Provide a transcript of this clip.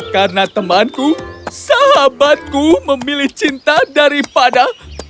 karena temanku sahabatku memilih cinta daripada